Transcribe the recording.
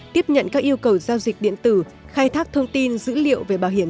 tiếp nhận các yêu cầu giao dịch điện tử khai thác thông tin dữ liệu về bảo hiểm